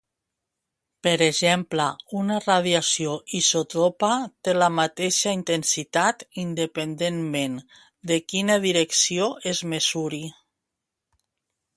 Per exemple, una radiació isòtropa té la mateixa intensitat independentment de quina direcció es mesuri.